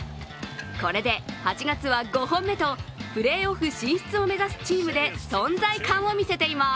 これで８月は５本目とプレーオフ進出を目指すチームで存在感を見せています。